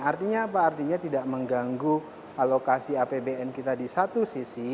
artinya apa artinya tidak mengganggu alokasi apbn kita di satu sisi